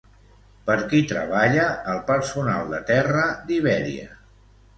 Per qui treballa el personal de terra d'Iberia?